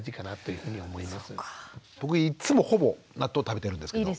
僕いっつもほぼ納豆食べてるんですけど。